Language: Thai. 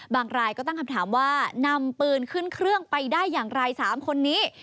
รายก็ตั้งคำถามว่านำปืนขึ้นเครื่องไปได้อย่างไร๓คนนี้